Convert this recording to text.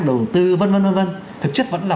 đầu tư vân vân vân vân thực chất vẫn là